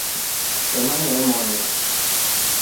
Eemanya moni.